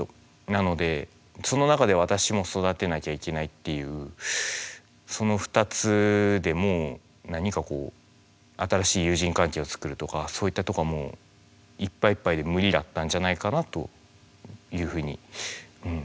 なのでその中で私も育てなきゃいけないっていうその２つでもう何かこう新しい友人関係を作るとかそういったとこはもういっぱいいっぱいで無理だったんじゃないかなというふうにうん